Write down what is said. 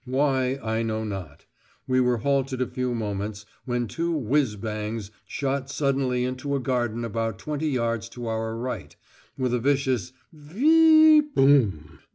Why, I know not. We were halted a few moments, when two whizz bangs shot suddenly into a garden about twenty yards to our right, with a vicious "Vee bm